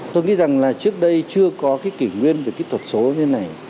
tôi nghĩ rằng là trước đây chưa có cái kỷ nguyên về kỹ thuật số như thế này